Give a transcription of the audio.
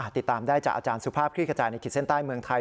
ติดตามได้จากอาจารย์สุภาพคลี่ขจายในขีดเส้นใต้เมืองไทย